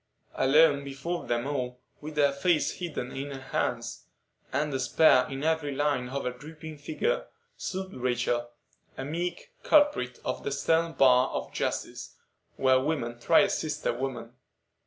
Alone, before them all, with her face hidden in her hands, and despair in every line of her drooping figure, stood Rachel,—a meek culprit at the stern bar of justice, where women try a sister woman.